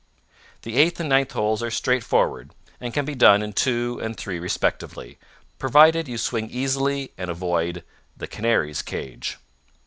The eighth and ninth holes are straightforward, and can be done in two and three respectively, provided you swing easily and avoid the canary's cage.